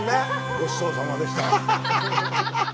ごちそうさまでした！